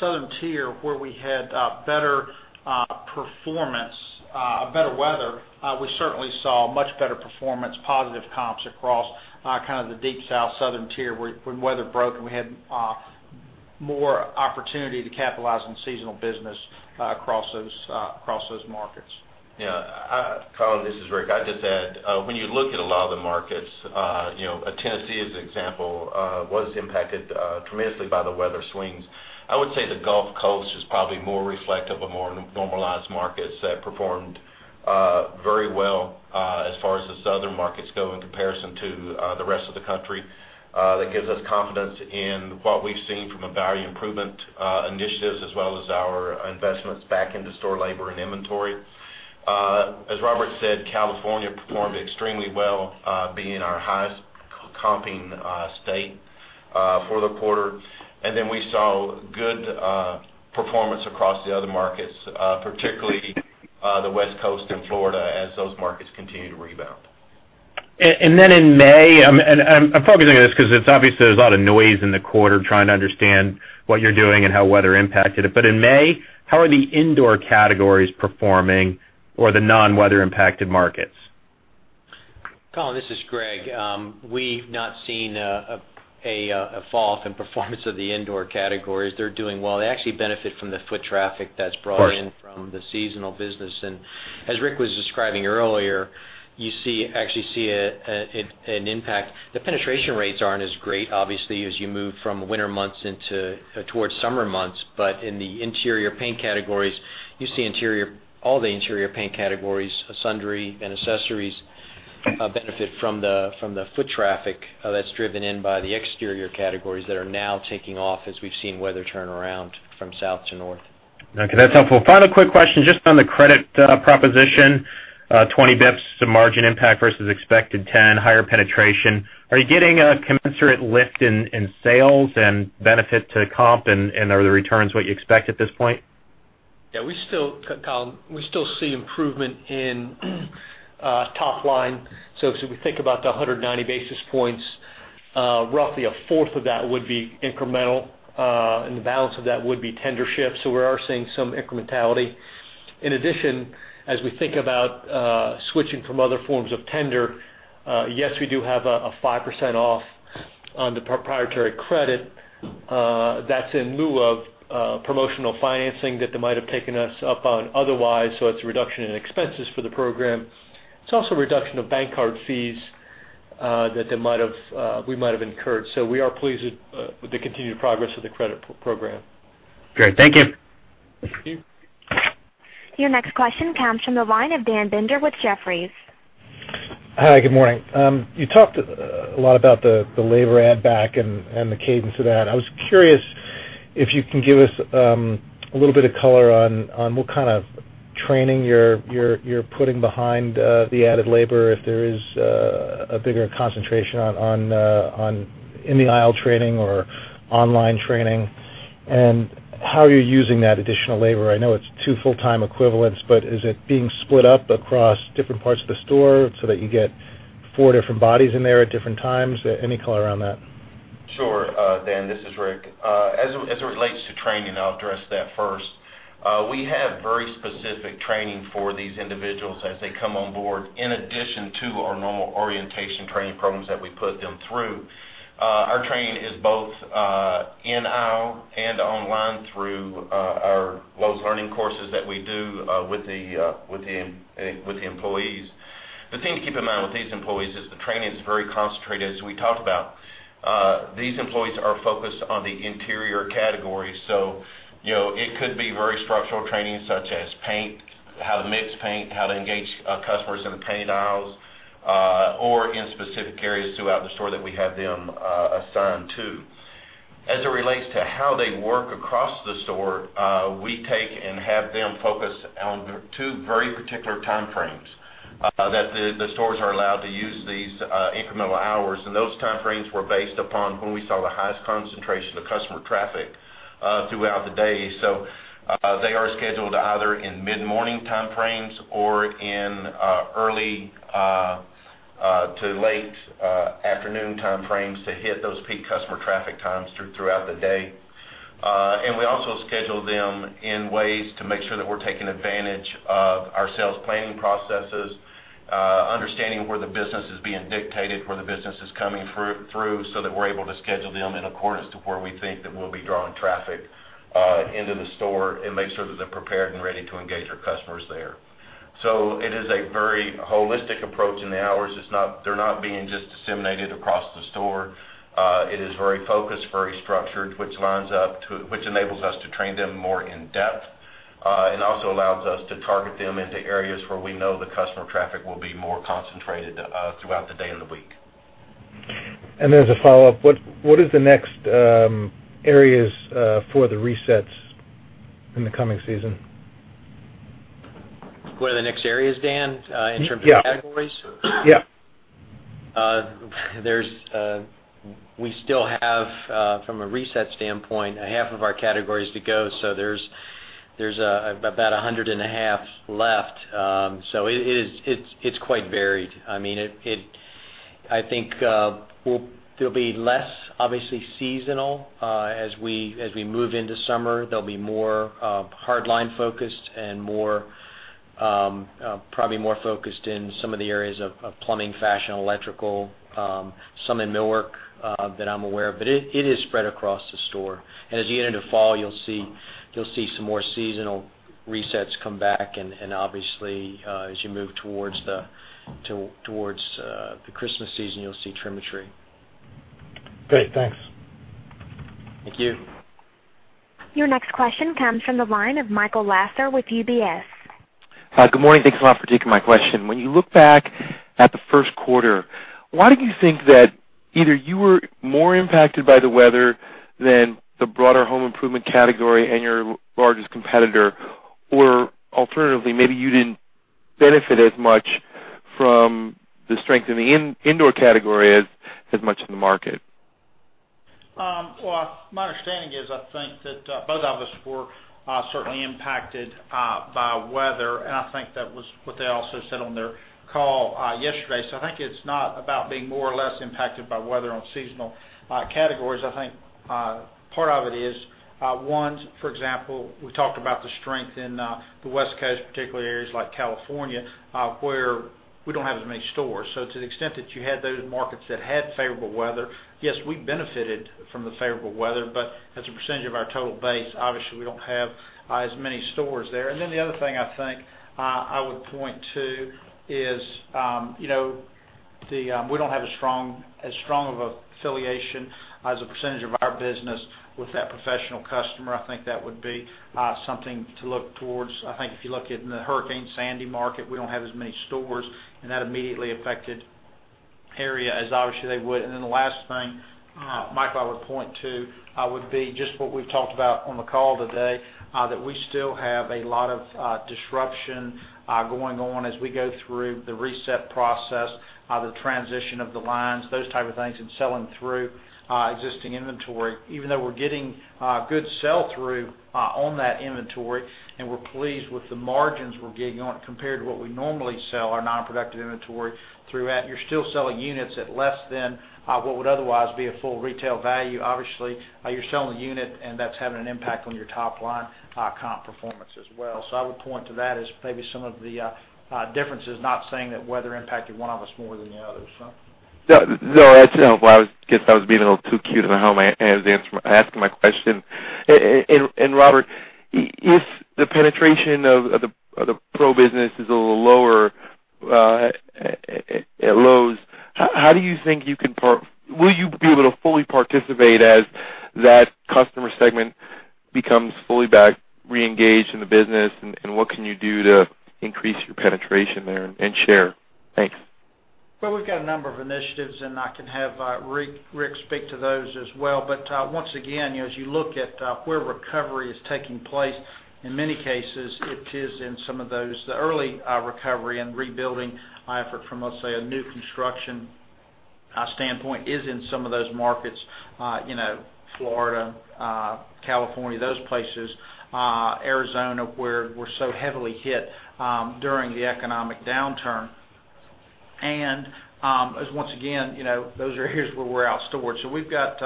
southern tier where we had better performance, better weather, we certainly saw much better performance, positive comps across kind of the deep South southern tier where when weather broke, we had more opportunity to capitalize on seasonal business across those markets. Yeah. Colin, this is Rick. I'd just add, when you look at a lot of the markets, Tennessee as an example, was impacted tremendously by the weather swings. I would say the Gulf Coast is probably more reflective of more normalized markets that performed very well as far as the southern markets go in comparison to the rest of the country. That gives us confidence in what we've seen from a value improvement initiatives as well as our investments back into store labor and inventory. As Robert said, California performed extremely well, being our highest comping state for the quarter. We saw good performance across the other markets, particularly the West Coast and Florida as those markets continue to rebound. In May, I'm focusing on this because it's obvious there's a lot of noise in the quarter trying to understand what you're doing and how weather impacted it. In May, how are the indoor categories performing or the non-weather impacted markets? Colin, this is Greg. We've not seen a fall off in performance of the indoor categories. They're doing well. They actually benefit from the foot traffic. Of course. in from the seasonal business. As Rick was describing earlier, you actually see an impact. The penetration rates aren't as great, obviously, as you move from winter months towards summer months. In the interior paint categories, you see all the interior paint categories, sundries, and accessories benefit from the foot traffic that's driven in by the exterior categories that are now taking off as we've seen weather turn around from south to north. Okay, that's helpful. Final quick question just on the credit proposition. 20 basis points, some margin impact versus expected 10, higher penetration. Are you getting a commensurate lift in sales and benefit to comp, and are the returns what you expect at this point? Yeah, Colin, we still see improvement in top line. As we think about the 190 basis points, roughly a fourth of that would be incremental, the balance of that would be tender shifts. We are seeing some incrementality. In addition, as we think about switching from other forms of tender, yes, we do have a 5% off on the proprietary credit. That's in lieu of promotional financing that they might have taken us up on otherwise. It's a reduction in expenses for the program. It's also a reduction of bank card fees that we might have incurred. We are pleased with the continued progress of the credit program. Great, thank you. Thank you. Your next question comes from the line of Daniel Binder with Jefferies. Hi, good morning. You talked a lot about the labor add back and the cadence of that. I was curious if you can give us a little bit of color on what kind of training you're putting behind the added labor, if there is a bigger concentration in the aisle training or online training. How you're using that additional labor. I know it's two full-time equivalents, but is it being split up across different parts of the store so that you get four different bodies in there at different times? Any color on that? Sure. Dan, this is Rick. As it relates to training, I'll address that first. We have very specific training for these individuals as they come on board, in addition to our normal orientation training programs that we put them through. Our training is both in-aisle and online through our Lowe's U courses that we do with the employees. The thing to keep in mind with these employees is the training is very concentrated, as we talked about. These employees are focused on the interior categories. It could be very structural training such as paint, how to mix paint, how to engage customers in the paint aisles, or in specific areas throughout the store that we have them assigned to. As it relates to how they work across the store, we take and have them focus on two very particular time frames that the stores are allowed to use these incremental hours. Those time frames were based upon when we saw the highest concentration of customer traffic throughout the day. They are scheduled either in mid-morning time frames or in early to late afternoon time frames to hit those peak customer traffic times throughout the day. We also schedule them in ways to make sure that we're taking advantage of our sales planning processes, understanding where the business is being dictated, where the business is coming through, so that we're able to schedule them in accordance to where we think that we'll be drawing traffic into the store and make sure that they're prepared and ready to engage our customers there. It is a very holistic approach in the hours. They're not being just disseminated across the store. It is very focused, very structured, which enables us to train them more in-depth, and also allows us to target them into areas where we know the customer traffic will be more concentrated throughout the day and the week. As a follow-up, what is the next areas for the resets in the coming season? What are the next areas, Dan, in terms of categories? Yeah. We still have, from a reset standpoint, half of our categories to go. There's about 100 and a half left. It's quite varied. I think there'll be less, obviously, seasonal as we move into summer. There'll be more hard-line focused and probably more focused in some of the areas of plumbing, fashion, electrical, some in millwork that I'm aware of. It is spread across the store. As you get into fall, you'll see some more seasonal resets come back, and obviously, as you move towards the Christmas season, you'll see trim a tree. Great. Thanks. Thank you. Your next question comes from the line of Michael Lasser with UBS. Hi. Good morning. Thanks a lot for taking my question. When you look back at the first quarter, why do you think that either you were more impacted by the weather than the broader home improvement category and your largest competitor? Or alternatively, maybe you didn't benefit as much from the strength in the indoor category as much in the market. My understanding is, I think, that both of us were certainly impacted by weather, and I think that was what they also said on their call yesterday. I think it's not about being more or less impacted by weather on seasonal categories. I think part of it is, one, for example, we talked about the strength in the West Coast, particularly areas like California, where we don't have as many stores. To the extent that you had those markets that had favorable weather, yes, we benefited from the favorable weather. As a percentage of our total base, obviously, we don't have as many stores there. The other thing I think I would point to is. We don't have as strong of an affiliation as a percentage of our business with that professional customer. I think that would be something to look towards. I think if you look in the Hurricane Sandy market, we don't have as many stores in that immediately affected area as obviously they would. The last thing, Michael, I would point to, would be just what we've talked about on the call today, that we still have a lot of disruption going on as we go through the reset process, the transition of the lines, those type of things, and selling through existing inventory, even though we're getting good sell-through on that inventory. We're pleased with the margins we're getting on it compared to what we normally sell our non-productive inventory through at. You're still selling units at less than what would otherwise be a full retail value. Obviously, you're selling the unit, that's having an impact on your top-line comp performance as well. I would point to that as maybe some of the differences, not saying that weather impacted one of us more than the other. That's helpful. I guess I was being a little too cute at home as I was asking my question. Robert, if the penetration of the pro business is a little lower at Lowe's, will you be able to fully participate as that customer segment becomes fully reengaged in the business, and what can you do to increase your penetration there and share? Thanks. Well, we've got a number of initiatives, and I can have Rick speak to those as well. Once again, as you look at where recovery is taking place, in many cases, it is in some of those, the early recovery and rebuilding effort from, let's say, a new construction standpoint is in some of those markets Florida, California, those places, Arizona, where we're so heavily hit during the economic downturn. As once again those are areas where we're out stored. We've got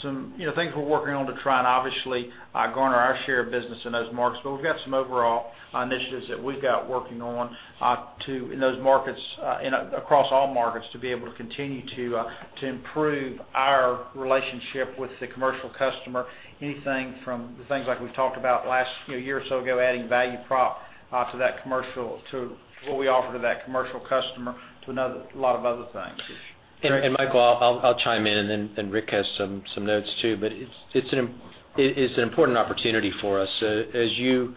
some things we're working on to try and obviously garner our share of business in those markets. We've got some overall initiatives that we've got working on in those markets and across all markets to be able to continue to improve our relationship with the commercial customer. Anything from the things like we've talked about last year or so ago, adding value prop to what we offer to that commercial customer to a lot of other things. Michael, I'll chime in, and Rick has some notes, too, but it's an important opportunity for us. As you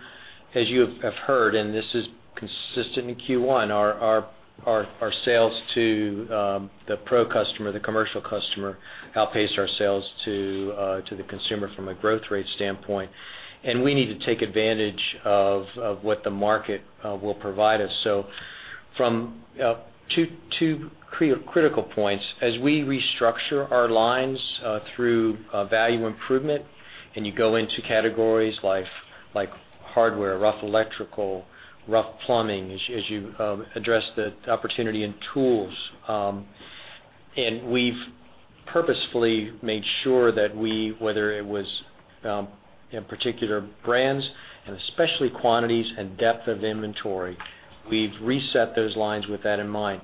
have heard, and this is consistent in Q1, our sales to the pro customer, the commercial customer, outpaced our sales to the consumer from a growth rate standpoint. We need to take advantage of what the market will provide us. From two critical points, as we restructure our lines through value improvement, and you go into categories like hardware, rough electrical, rough plumbing, as you address the opportunity in tools. We've purposefully made sure that whether it was in particular brands and especially quantities and depth of inventory, we've reset those lines with that in mind.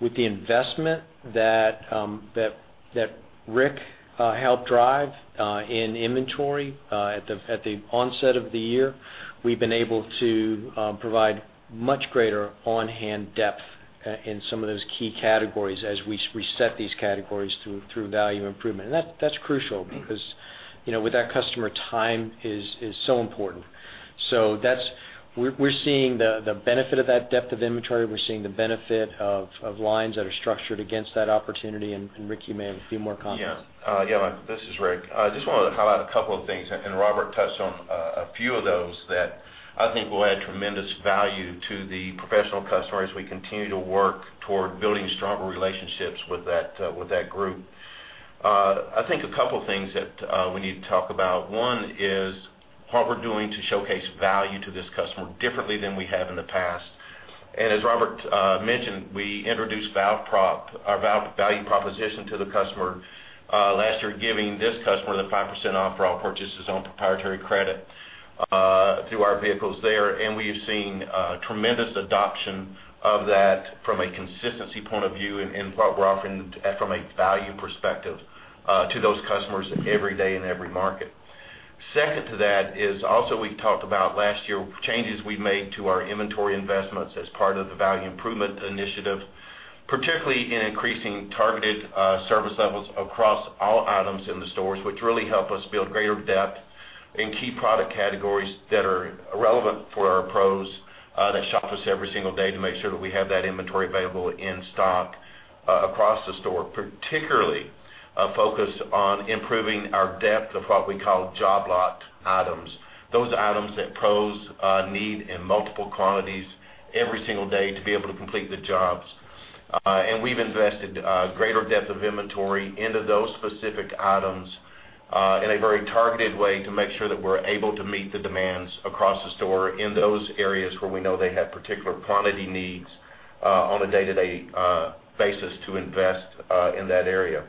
With the investment that Rick helped drive in inventory at the onset of the year, we've been able to provide much greater on-hand depth in some of those key categories as we reset these categories through value improvement. That's crucial because with that customer, time is so important. We're seeing the benefit of that depth of inventory. We're seeing the benefit of lines that are structured against that opportunity. Rick, you may have a few more comments. Yeah, Mike. This is Rick. I just want to highlight a couple of things. Robert touched on a few of those that I think will add tremendous value to the professional customer as we continue to work toward building stronger relationships with that group. I think a couple of things that we need to talk about. One is what we're doing to showcase value to this customer differently than we have in the past. As Robert mentioned, we introduced our value proposition to the customer last year, giving this customer the 5% off for all purchases on proprietary credit through our vehicles there. We have seen tremendous adoption of that from a consistency point of view and what we're offering from a value perspective to those customers every day in every market. Second to that is also we've talked about last year changes we've made to our inventory investments as part of the value improvement initiative, particularly in increasing targeted service levels across all items in the stores, which really help us build greater depth in key product categories that are relevant for our pros that shop us every single day to make sure that we have that inventory available in stock across the store. Particularly focused on improving our depth of what we call job lot items. Those items that pros need in multiple quantities every single day to be able to complete the jobs. We've invested greater depth of inventory into those specific items in a very targeted way to make sure that we're able to meet the demands across the store in those areas where we know they have particular quantity needs on a day-to-day basis to invest in that area.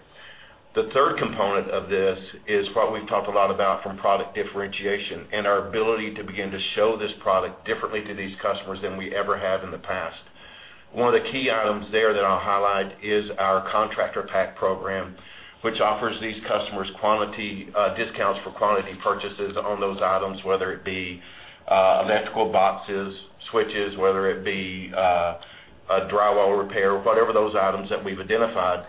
The third component of this is what we've talked a lot about from product differentiation and our ability to begin to show this product differently to these customers than we ever have in the past. One of the key items there that I'll highlight is our Contractor Pack program, which offers these customers discounts for quantity purchases on those items, whether it be electrical boxes, switches, whether it be a drywall repair, whatever those items that we've identified,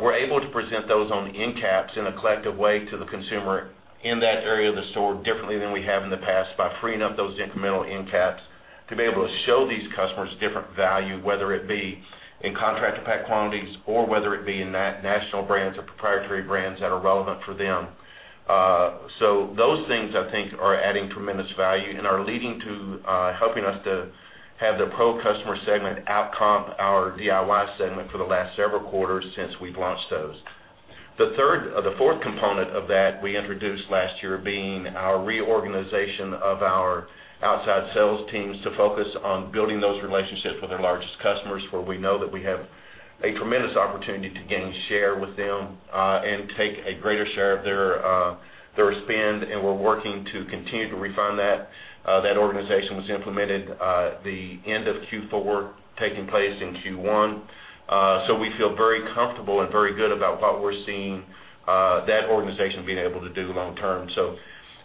we're able to present those on end caps in a collective way to the consumer in that area of the store differently than we have in the past by freeing up those incremental end caps to be able to show these customers different value, whether it be in Contractor Pack quantities or whether it be in national brands or proprietary brands that are relevant for them. Those things, I think, are adding tremendous value and are leading to helping us to have the pro customer segment out-comp our DIY segment for the last several quarters since we've launched those. The fourth component of that we introduced last year being our reorganization of our outside sales teams to focus on building those relationships with our largest customers, where we know that we have a tremendous opportunity to gain share with them and take a greater share of their spend, and we're working to continue to refine that. That organization was implemented the end of Q4, taking place in Q1. We feel very comfortable and very good about what we're seeing that organization being able to do long term.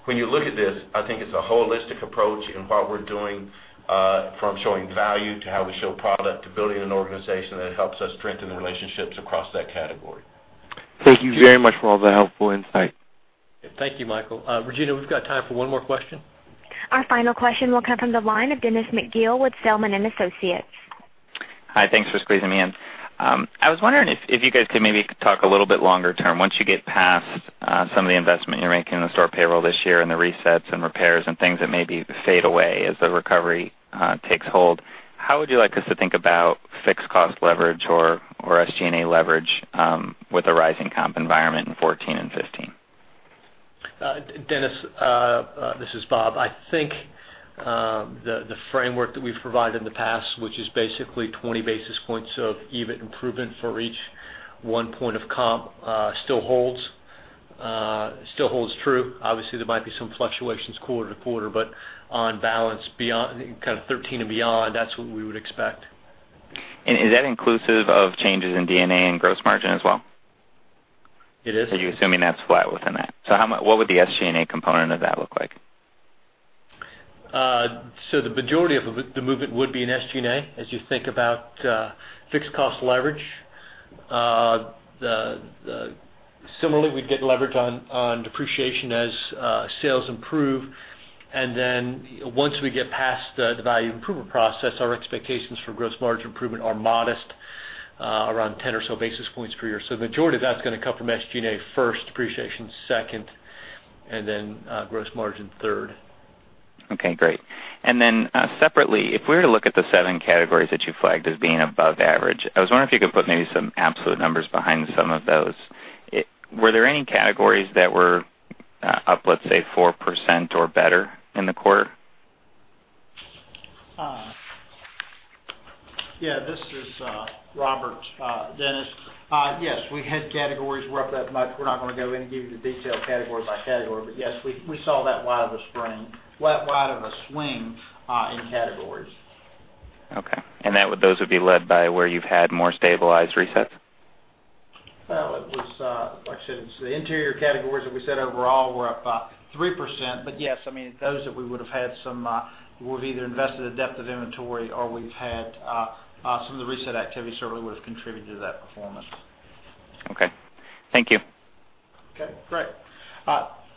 When you look at this, I think it's a holistic approach in what we're doing from showing value to how we show product to building an organization that helps us strengthen the relationships across that category. Thank you very much for all the helpful insight. Thank you, Michael. Regina, we've got time for one more question. Our final question will come from the line of Dennis McGill with Zelman & Associates. Hi. Thanks for squeezing me in. I was wondering if you guys could maybe talk a little bit longer term. Once you get past some of the investment you're making in the store payroll this year and the resets and repairs and things that maybe fade away as the recovery takes hold, how would you like us to think about fixed cost leverage or SG&A leverage with a rising comp environment in '14 and '15? Dennis McGill, this is Bob. I think the framework that we've provided in the past, which is basically 20 basis points of EBIT improvement for each one point of comp, still holds true. Obviously, there might be some fluctuations quarter-to-quarter, but on balance, kind of '13 and beyond, that's what we would expect. Is that inclusive of changes in D&A and gross margin as well? It is. Are you assuming that's flat within that? What would the SGA component of that look like? The majority of the movement would be in SGA as you think about fixed cost leverage. Similarly, we'd get leverage on depreciation as sales improve, once we get past the value improvement process, our expectations for gross margin improvement are modest, around 10 or so basis points per year. The majority of that's going to come from SGA first, depreciation second, and then gross margin third. Okay, great. Separately, if we were to look at the 7 categories that you flagged as being above average, I was wondering if you could put maybe some absolute numbers behind some of those. Were there any categories that were up, let's say, 4% or better in the quarter? Yeah, this is Robert. Dennis, yes, we had categories were up that much. We're not going to go in and give you the detailed category by category. Yes, we saw that wide of a swing in categories. Okay. Those would be led by where you've had more stabilized resets? Well, like I said, it's the interior categories that we said overall were up 3%. Yes, those that we would have either invested in depth of inventory or we've had some of the reset activity certainly would have contributed to that performance. Okay. Thank you. Okay, great.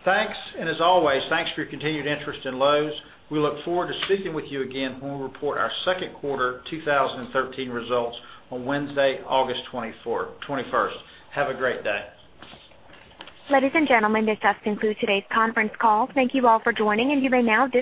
Thanks. As always, thanks for your continued interest in Lowe's. We look forward to speaking with you again when we report our second quarter 2013 results on Wednesday, August 21st. Have a great day. Ladies and gentlemen, this does conclude today's conference call. Thank you all for joining, and you may now disconnect.